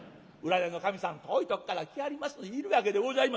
占いの神さん遠いとこから来はりますのでいるわけでございます。